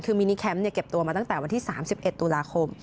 คือมินิแคมป์เก็บตัวมาตั้งแต่วันที่๓๑ตุลาคม